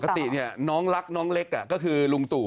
ปกติน้องรักน้องเล็กก็คือลุงตู่